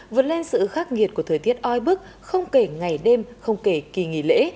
vượt lên sự khắc nghiệt của thời tiết oi bức không kể ngày đêm không kể kỳ nghỉ lễ